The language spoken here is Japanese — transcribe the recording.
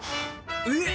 えっ！